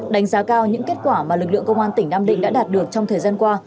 đánh giá cao những kết quả mà lực lượng công an tỉnh nam định đã đạt được trong thời gian qua